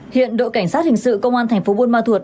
hiện đội cảnh sát hình sự công an tp buôn ma thuột